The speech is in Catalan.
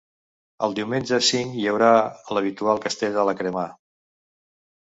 El diumenge cinc hi haurà l’habitual castell de la cremà.